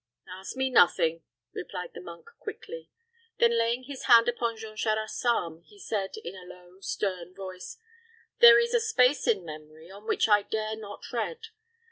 "Ask me nothing," replied the monk, quickly; then laying his hand upon Jean Charost's arm, he said, in a low, stern voice, "There is a space in memory on which I dare not tread.